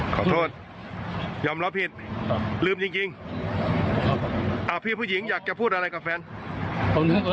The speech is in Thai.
กลับบ้านปีใหม่นี้